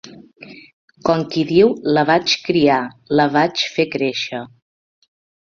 Com qui diu la vaig criar, la vaig fer créixer